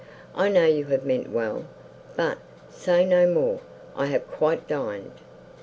I know you have meant well, but—say no more.—I have quite dined."